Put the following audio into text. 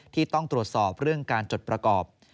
ที่ต้องตรวจสอบเรื่องการจดประกอบ